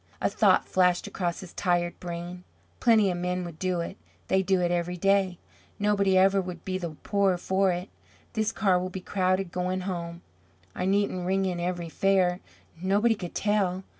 A thought flashed across his tired brain. "Plenty of men would do it; they do it every day. Nobody ever would be the poorer for it. This car will be crowded going home. I needn't ring in every fare; nobody could tell.